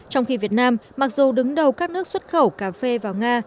trong khi việt nam mặc dù đứng đầu các nước xuất khẩu cà phê vào nga